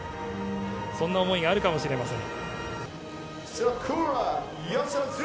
そんな思いがあるかもしれません。